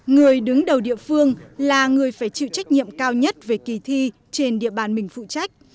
người đứng đầu địa phương là người phải chịu trách nhiệm cao nhất về kỳ thi trên địa bàn mình phụ trách